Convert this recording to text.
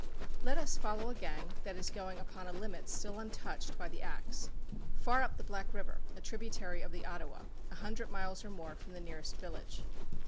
Let us follow a gang that is going upon a "limit" still untouched by the axe, far up the Black River, a tributary of the Ottawa, a hundred miles or more from the nearest village.